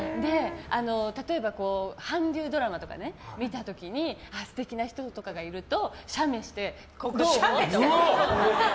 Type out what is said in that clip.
例えば、韓流ドラマとか見た時に素敵な人とかがいると写メして、どう？って。